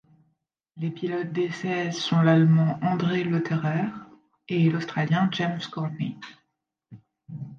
Les pilotes d'essais sont l'Allemand André Lotterer et l'Australien James Courtney.